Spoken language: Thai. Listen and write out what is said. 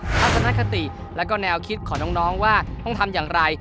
ลักษณะคติและแนวคิดของน้องว่าต้องทำอย่างไร